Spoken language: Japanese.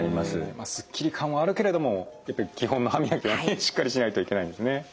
まあすっきり感はあるけれどもやっぱり基本の歯磨きはねしっかりしないといけないんですね。